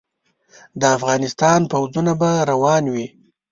د افغانستان پوځونه به روان وي.